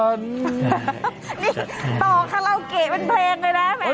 นี่ต่อข้านเราเกะเป็นเพลงเลยนะคะ